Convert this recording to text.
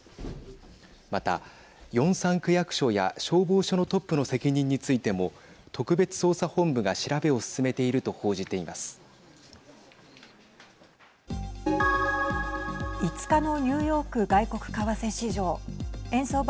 また、ヨンサン区役所や消防署のトップの責任についても特別捜査本部が調べを進めている５日のニューヨーク外国為替市場。